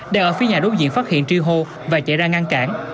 đang ở phía nhà đối diện phát hiện tri hô và chạy ra ngăn cản